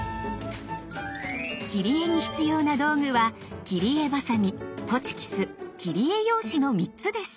切り絵に必要な道具は切り絵バサミホチキス切り絵用紙の３つです。